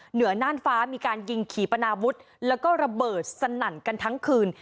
เหนือน่านฟ้ามีการยิงขี่ปนาวุฒิแล้วก็ระเบิดสนั่นกันทั้งคืน